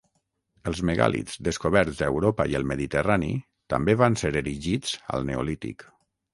Els megàlits descoberts a Europa i al Mediterrani també van ser erigits al Neolític.